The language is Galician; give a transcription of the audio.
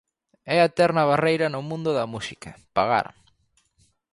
É a eterna barreira no mundo da música, pagar.